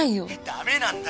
駄目なんだ！